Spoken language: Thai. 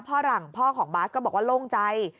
หลังพ่อของบาสก็บอกว่าโล่งใจ